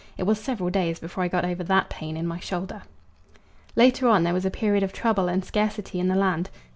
It was several days before I got over that pain in my shoulder. Later on there was a period of trouble and scarcity in the land.